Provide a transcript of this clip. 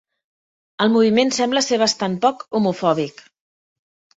El moviment sembla ser bastant poc homofòbic.